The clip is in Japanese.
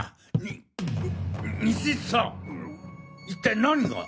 一体何が？